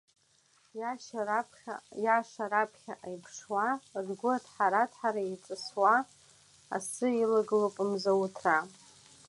Иаша раԥхьаҟа иԥшуа, ргәы аҭҳара-аҭҳара еиҵасуа, асы илагылоуп Мзауҭраа.